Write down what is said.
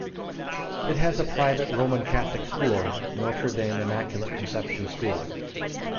It has a private Roman Catholic school, Notre Dame-Immaculate Conception School.